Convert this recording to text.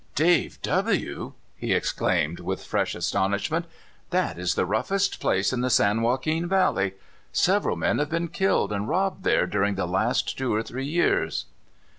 " Dave W ?" he exclaimed with fresh aston ishment. " That is the roughest place in the San Joaquin Valley. Several men have been killed and robbed there during the last two or three years."